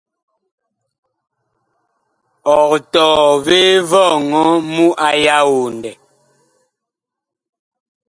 Ɔg tɔɔ vee vɔŋɔ mu a yaodɛ ?́.